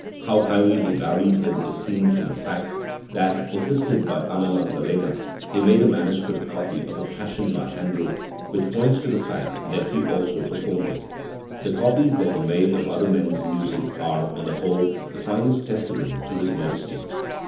How highly he valued him is seen from the fact that, assisted by Anna Magdalena, he made a manuscript copy of a Passion by Handel, which points to the fact that he also performed it. The copies that he made of other men's music are, on the whole, the finest testimony to his modesty.